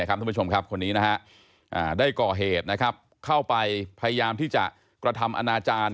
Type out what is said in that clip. คนนี้ได้ก่อเหตุเข้าไปพยายามที่จะกระทำอาณาจารย์